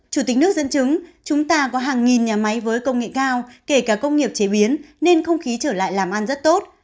chủ tịch nước dân chứng chúng ta có hàng nghìn nhà máy với công nghệ cao kể cả công nghiệp chế biến nên không khí trở lại làm ăn rất tốt